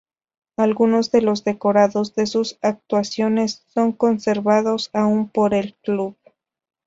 Algunos de los decorados de sus actuaciones son conservados aún por el club.